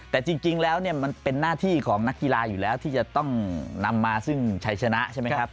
แต่จริงแล้วเนี่ยมันเป็นหน้าที่ของนักกีฬาอยู่แล้วที่จะต้องนำมาซึ่งชัยชนะใช่ไหมครับ